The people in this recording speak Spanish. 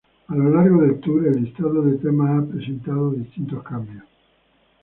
A lo largo del Tour, el listado de temas ha presentado distintos cambios.